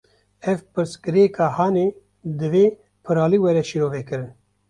Ev pirsgirêka hanê, divê piralî were şîrovekirin